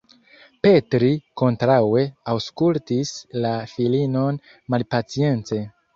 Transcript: Petri, kontraŭe, aŭskultis la filinon malpacience.